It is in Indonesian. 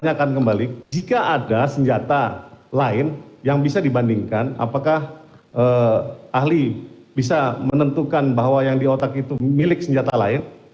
saya akan kembali jika ada senjata lain yang bisa dibandingkan apakah ahli bisa menentukan bahwa yang di otak itu milik senjata lain